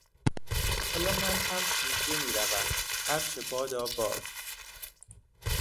حالا منهم شیرجه میروم - هرچه بادا باد!